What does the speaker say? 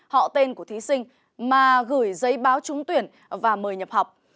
họ tên của thí sinh mà gửi giấy báo trúng tuyển và mời nhập học